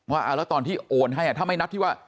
ว่าแล้วตอนที่โอนให้ถ้าไม่นับที่ว่า